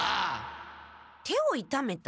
手をいためた？